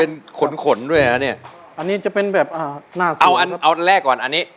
เป็นขนขนด้วยนะเนี่ยอันนี้จะเป็นแบบอ่าน่าเอาอันเอาแรกก่อนอันนี้